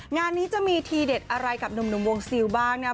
งานนี้จะมีทีเด็ดอะไรกับหนุ่มวงซิลบ้างนะครับ